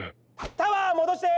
タワーもどして！